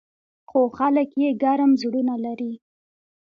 خو خلک یې ګرم زړونه لري.